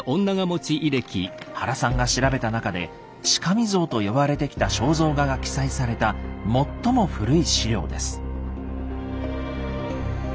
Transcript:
原さんが調べた中で「しかみ像」と呼ばれてきた肖像画が記載された最も古い史料です。